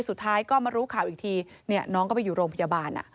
สุดท้ายก็มารู้ข่าวอีกทีน้องก็ไปอยู่โรงพยาบาล